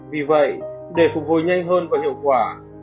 vì vậy để phục hồi nhanh hơn và hiệu quả